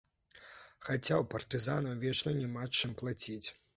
Хаця ў партызанаў вечна няма чым плаціць.